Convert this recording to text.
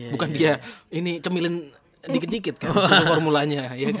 bukan dia ini cemilin dikit dikit kan susu formulanya